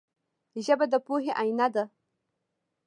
ژبه د پوهې آینه ده